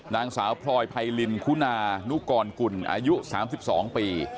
นางสาวพลอยไพรินคุณานุกรกุลอายุ๓๒ปี